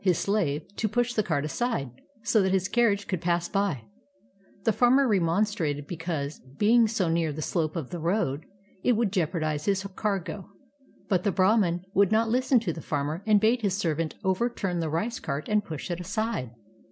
his slave, to push the cart aside, so that his carriage could pass by. The fanner remonstrated because, being so near the slope of the road, it would jeopardize his cargo; but the Brahman 44 KARMA: A STORY OF BUDDHIST ETHICS would not listen to the farmer and bade his servant overturn the rice cart and push it aside.